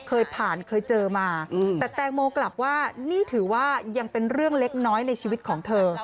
เคยผ่านเคยเจอมาแต่แตงโมกลับว่านี่ถือว่ายังเป็นเรื่องเล็กน้อยในชีวิตของเธอ